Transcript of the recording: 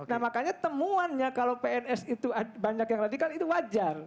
nah makanya temuannya kalau pns itu banyak yang radikal itu wajar